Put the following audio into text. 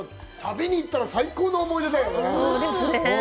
旅に行ったら、最高の思い出だよね。